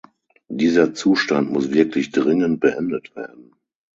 Dieser Zustand muss wirklich dringend beendet werden!